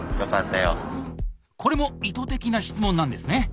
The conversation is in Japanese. これも意図的な質問なんですね。